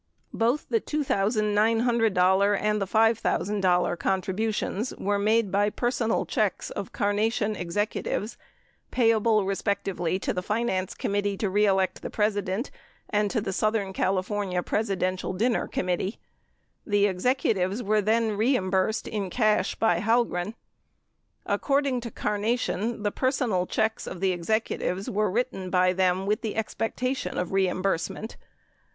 Both the $2,900 and the $5,000 contributions were made by personal checks of Carnation executives, pavable respectively to the Finance Committee To Re Elect the President and the Southern California Presidential Dinner Committee. The executives were then reimbursed in cash by Halgren. According to Carnation, the personal checks of the executives were written by them with the expectation of reimburse ment.